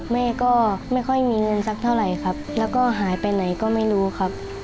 แม่ก็ไม่ค่อยมีเงินสักเท่าไหร่ครับแล้วก็หายไปไหนก็ไม่รู้ครับ